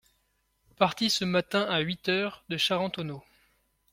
Parti ce matin à huit heures de Charentonneau…